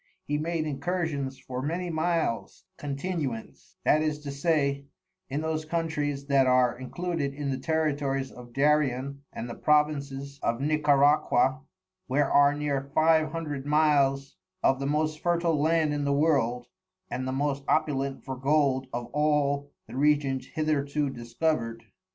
He made Incursions for many Miles continuance, that is to say, in those Countries that are included in the Territories of Darien and the Provinces of Nicaraqua, where are near Five Hundred Miles of the most Fertil Land in the World, and the most opulent for Gold of all the Regions hitherto discover'd.